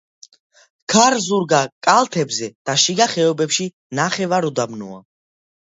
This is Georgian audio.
ქარზურგა კალთებზე და შიგა ხეობებში ნახევარუდაბნოა.